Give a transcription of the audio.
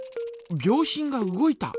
秒針が動いた！